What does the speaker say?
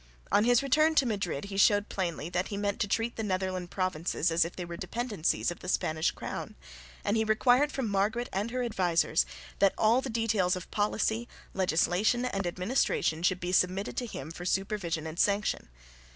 On his return to Madrid he showed plainly that he meant to treat the Netherland provinces as if they were dependencies of the Spanish crown, and he required from Margaret and her advisers that all the details of policy, legislation and administration should be submitted to him for supervision and sanction.